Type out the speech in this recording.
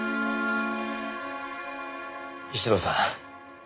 石堂さん